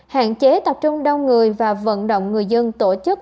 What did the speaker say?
hạn chế tập trung đông người và vận động người dân tổ chức